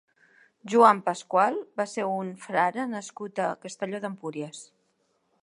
Joan Pasqual va ser un frare nascut a Castelló d'Empúries.